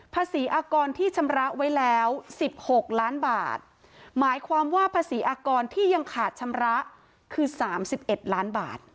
อากรที่ชำระไว้แล้ว๑๖ล้านบาทหมายความว่าภาษีอากรที่ยังขาดชำระคือ๓๑ล้านบาท